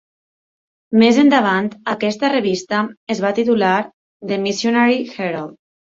Més endavant, aquesta revista es va titular "The Missionary Herald".